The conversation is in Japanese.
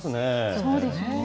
そうですね。